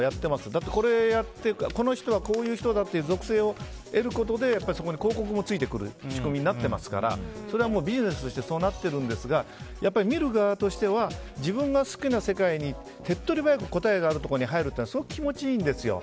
だって、この人はこういう人だという属性を得ることでやっぱりそこに広告もついてくる仕組みになっていますからそれはビジネスとしてそうなっているんですが見る側としては自分が好きな世界に手っ取り早く答えがあるところに入るというのはすごく気持ちいいんですよ。